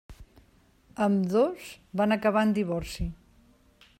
Ambdós van acabar en divorci.